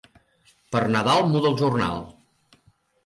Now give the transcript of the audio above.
Per Nadal muda el jornal.